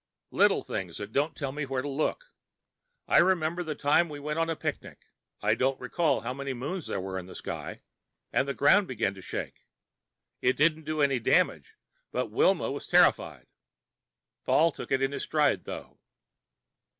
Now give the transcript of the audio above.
"The little things that don't tell me where to look. I remember the time we went on a picnic I don't recall how many moons there were in the sky and the ground began to shake. It didn't do any damage, but Wilma was terrified. Paul took it in his stride, though."